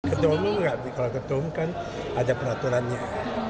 ketua bumu enggak diketuakan ada peraturan yang